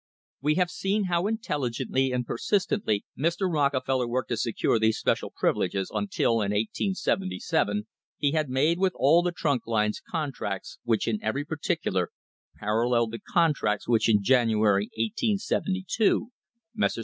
We have seen how intelligently and persistently Mr. Rockefeller worked to secure these special privileges until, in 1877, he had made with all the trunk lines contracts which in every particular paralleled the contracts which in January, 1872, Messrs.